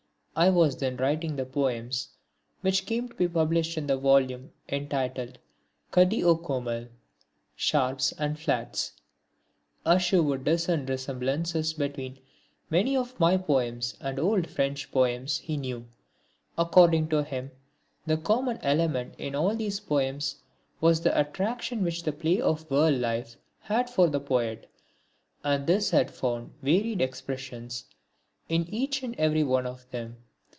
I was then writing the poems which came to be published in the volume entitled Kadi o Komal, Sharps and Flats. Ashu could discern resemblances between many of my poems and old French poems he knew. According to him the common element in all these poems was the attraction which the play of world life had for the poet, and this had found varied expression in each and every one of them.